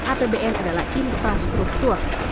apbn adalah infrastruktur